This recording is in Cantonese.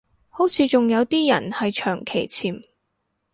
好似仲有啲人係長期潛